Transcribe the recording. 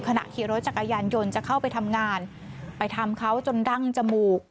ขณะขี่รถจักรยานยนต์จะเข้าไปทำงานไปทำเขาจนดั้งจมูก